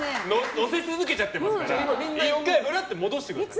乗せ続けちゃってますから１回フラットに戻してください。